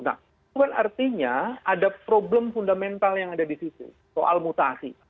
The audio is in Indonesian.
nah itu kan artinya ada problem fundamental yang ada di situ soal mutasi